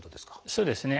そうですね。